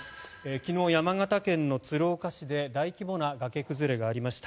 昨日、山形県の鶴岡市で大規模な崖崩れがありました。